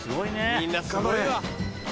みんなすごいわ。